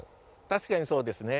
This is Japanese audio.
確かにそうですね。